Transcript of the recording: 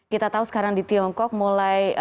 kita tahu sekarang di tiongkok mulai